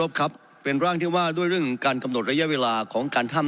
ครับเป็นร่างที่ว่าด้วยเรื่องการกำหนดระยะเวลาของการถ้ำ